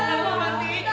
jangan lupa main di sini ya